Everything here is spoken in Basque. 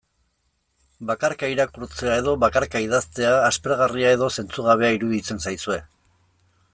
Bakarka irakurtzea edo bakarka idaztea, aspergarria edo zentzugabea iruditzen zaizue.